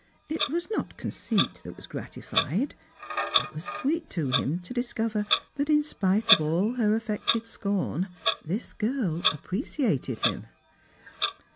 It was not conceit that was gratified — it was sweet to him to discover that, in spite of all her affected scorn, this girl appreciated him.